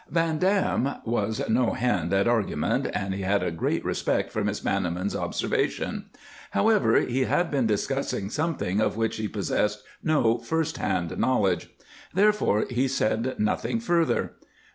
Van Dam was no hand at argument, and he had a great respect for Miss Banniman's observation; moreover, he had been discussing something of which he possessed no first hand knowledge. Therefore, he said nothing further.